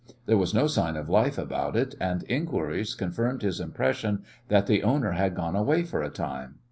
There was no sign of life about it, and inquiries confirmed his impression that the owner had gone away for a time.